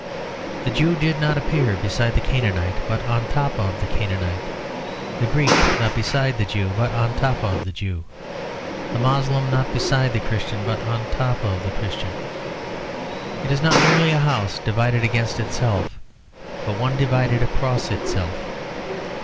The Jew did not appear beside the Canaanite but on top of the Canaanite; the Greek not beside the Jew but on top of the Jew; the Moslem not beside the Christian but on top of the Christian. It is not merely a house divided against itself, but one divided across itself.